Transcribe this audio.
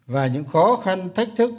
và những khó khăn thách thức